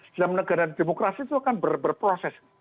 dalam negara demokrasi itu akan berproses